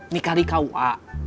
nikah di kua